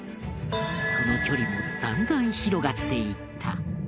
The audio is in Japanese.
その距離もだんだん広がっていった。